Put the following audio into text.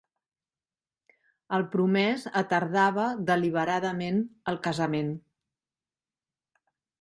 El promès atardava deliberadament el casament.